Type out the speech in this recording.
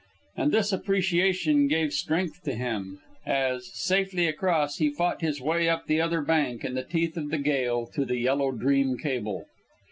And this appreciation gave strength to him, as, safely across, he fought his way up the other bank, in the teeth of the gale, to the Yellow Dream cable.